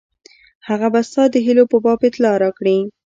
هغه به ستا د هیلو په باب اطلاع راکړي.